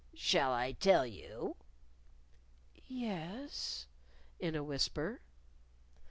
"Shall I tell you?" "Yes," in a whisper.